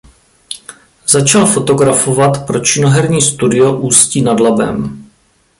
Začal fotografovat pro Činoherní studio Ústí nad Labem.